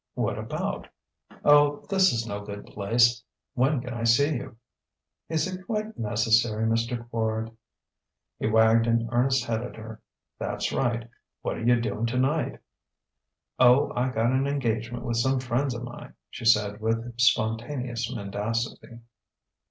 "What about?" "Oh, this is no good place. When can I see you?" "Is it quite necessary, Mister Quard?" He wagged an earnest head at her: "That's right. What are you doing tonight?" "Oh, I got an engagement with some friends of mine," she said with spontaneous mendacity.